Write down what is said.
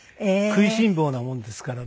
食いしん坊なもんですからね。